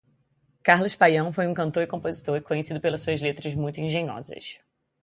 Carlos Paião foi um cantor e compositor, conhecido pelas suas letras muito engenhosas.